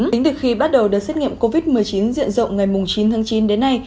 tính từ khi bắt đầu đợt xét nghiệm covid một mươi chín diện rộng ngày chín tháng chín đến nay